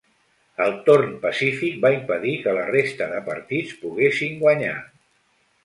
El Torn Pacífic va impedir que la resta de partits poguessin guanyar.